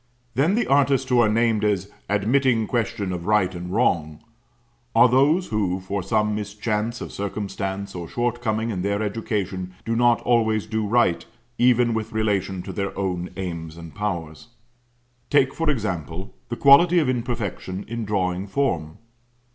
Then the artists who are named as "admitting question of right and wrong," are those who from some mischance of circumstance or short coming in their education, do not always do right, even with relation to their own aims and powers. Take for example the quality of imperfection in drawing form.